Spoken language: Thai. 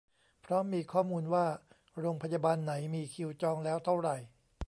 เพราะมีข้อมูลว่าโรงพยาบาลไหนมีคิวจองแล้วเท่าไหร่